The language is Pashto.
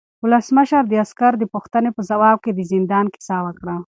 ولسمشر د عسکر د پوښتنې په ځواب کې د زندان کیسه وکړه.